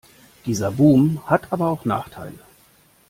Dieser Boom hat aber auch Nachteile.